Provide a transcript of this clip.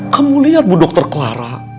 kamu lihat bu dokter clara